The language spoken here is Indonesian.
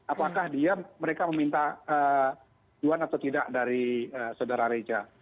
apakah dia mereka meminta juan atau tidak dari saudara reja